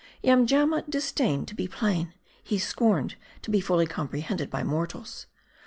" Yamjamma disdained to be plain ; he scorned to be fully comprehended by mortals.